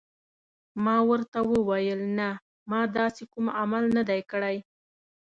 ما ورته وویل: نه، ما داسې کوم عمل نه دی کړی.